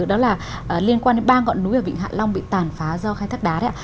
đó là liên quan đến ba ngọn núi ở vịnh hạ long bị tàn phá do khai thác đá